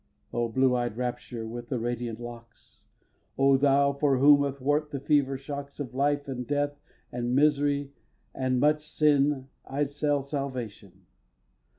xii. O blue eyed Rapture with the radiant locks! O thou for whom, athwart the fever shocks Of life and death and misery and much sin, I'd sell salvation!